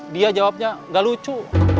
dia jawabnya gak lucu